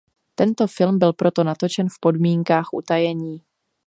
Tento film byl proto natočen v podmínkách utajení.